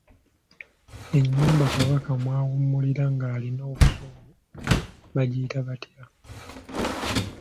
Ennyumba Kabaka mw’awummulira ng’alina obusungu bagiyita batya?